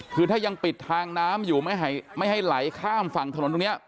คือถ้ายังปิดทางน้ำอยู่ไม่ให้ไหลข้ามฝั่งถนนตรงนี้